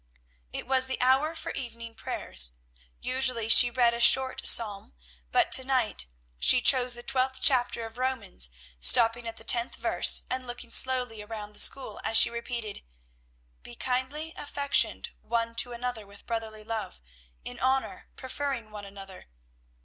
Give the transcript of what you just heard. It was the hour for evening prayers. Usually she read a short psalm, but to night she chose the twelfth chapter of Romans, stopping at the tenth verse, and looking slowly around the school as she repeated, "'Be kindly affectioned one to another with brotherly love; in honour preferring one another.'"